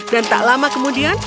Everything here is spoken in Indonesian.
dan tak lama kemudian